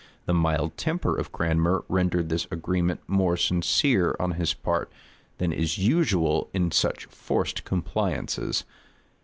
The mild temper of Cranmer rendered this agreement more sincere on his part than is usual in such forced compliances.